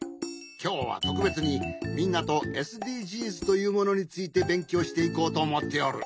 きょうはとくべつにみんなとＳＤＧｓというものについてべんきょうしていこうとおもっておる。